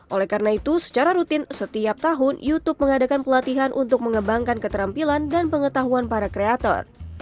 oleh karena itu secara rutin setiap tahun youtube mengadakan pelatihan untuk mengembangkan keterampilan dan pengetahuan para kreator